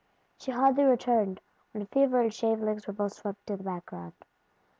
She hardly returned, when fever and shavelings were both swept into the background.